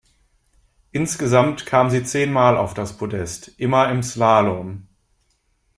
Insgesamt kam sie zehnmal auf das Podest, immer im Slalom.